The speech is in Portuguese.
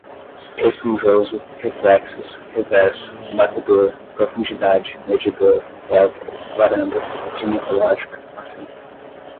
esponjoso, reflexos, reverso, batedor, profundidade, medidor, pélvico, varandas, ginecológica, assento